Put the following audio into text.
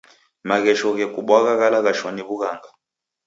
Maghesho ghekubwagha ghalaghashwa ni w'ughanga.